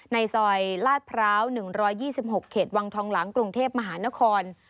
ในซอยลาดพร้าว๑๒๖เขตวังทองหลังกรุงเทพมหานคร